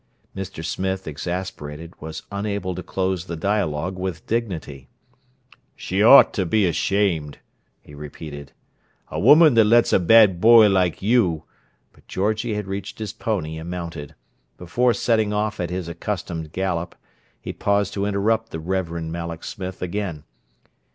Mr. Smith, exasperated, was unable to close the dialogue with dignity. "She ought to be ashamed," he repeated. "A woman that lets a bad boy like you—" But Georgie had reached his pony and mounted. Before setting off at his accustomed gallop, he paused to interrupt the Reverend Malloch Smith again.